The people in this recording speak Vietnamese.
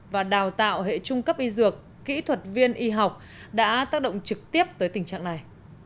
và đào tạo hệ trung cấp y dược kỹ thuật viên y học đã tác động trực tiếp tới tình trạng này